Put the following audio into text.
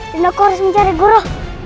dan aku harus mencari guru